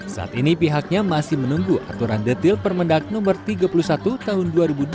saat ini pihaknya masih menunggu aturan detil permendak no tiga puluh satu tahun dua ribu dua puluh